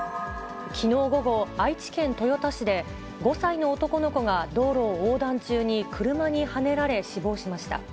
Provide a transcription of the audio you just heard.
きのう午後、愛知県豊田市で、５歳の男の子が道路を横断中に車にはねられ死亡しました。